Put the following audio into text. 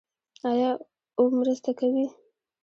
آیا او مرسته کوي؟